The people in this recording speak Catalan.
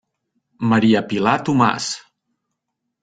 Maria Pilar Tomàs.